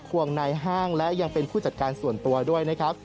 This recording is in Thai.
วงในห้างและยังเป็นผู้จัดการส่วนตัวด้วยนะครับ